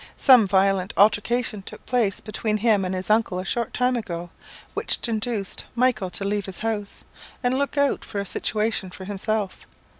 Some violent altercation took place between him and his uncle a short time ago, which induced Michael to leave his house, and look out for a situation for himself.